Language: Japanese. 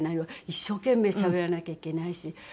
一生懸命しゃべらなきゃいけないし。